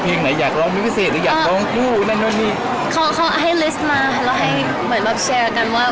เธอจะบอกว่าคำนั้นเค้าก็ให้กัดตัดมือใจของเรา